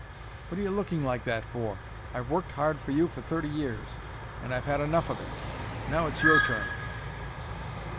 What are you looking like that for? I've worked hard for you for thirty years, and I've had enough of it. Now it's your turn."